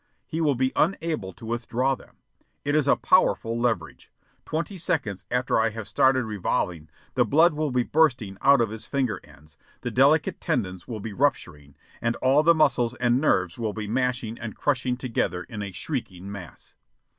He will be unable to withdraw them. It is a powerful leverage. Twenty seconds after I have started revolving, the blood will be bursting out of his finger ends, the delicate tendons will be rupturing, and all the muscles and nerves will be mashing and crushing together in a shrieking mass.